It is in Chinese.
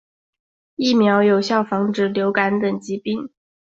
疫苗有效防止流感等疾病。